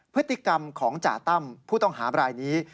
พฤติกรรมของจ่าตั้มผู้ต้องหาบรายนี้